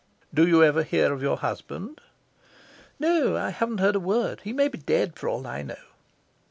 "Do you ever hear of your husband?" "No; I haven't heard a word. He may be dead for all I know."